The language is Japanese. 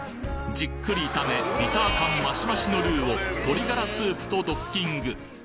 じっくり炒めビター感ましましのルーを鶏がらスープとドッキング！